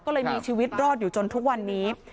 ก็เลยมีชีวิตรอดอยู่จนทุกวันนี้